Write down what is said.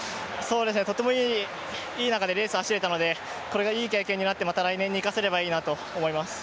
とてもいい中でレース走れたのでこれがいい経験になってまた来年に生かせればいいなと思います。